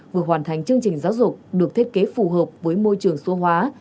vừa hoàn thành chương trình giáo dục được thiết kế phù hợp với môi trường số hóa